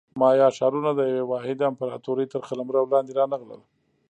مایا ښارونه د یوې واحدې امپراتورۍ تر قلمرو لاندې رانغلل